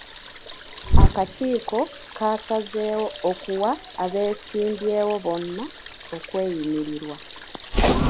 Akakiiko kaasazeewo okuwa abeesimbyewo bonna okweyimirirwa.